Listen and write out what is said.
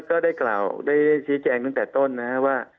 ก็ได้กล่าวได้ชี้แจงตั้งแต่ต้นนะครับว่า